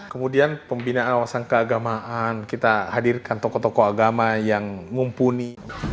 kemudian pembinaan wawasan keagamaan kita hadirkan tokoh tokoh agama yang mumpuni